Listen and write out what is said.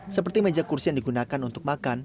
seperti meja kursi yang digunakan untuk makan